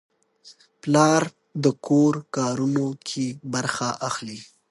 پلار د کور کارونو کې برخه اخلي.